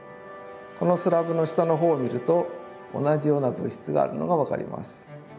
このスラブの下の方を見ると同じような物質があるのが分かります。